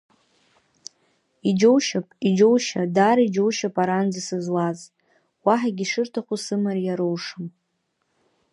Иџьоушьап, иџьоушьа, даара иџьоушьап аранӡа сызлааз, уаҳагь ишырҭаху сымариа роушам…